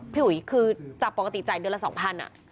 พี่ฮุยก็คือจากปกติจ่ายเดือนละ๒๐๐๐บาท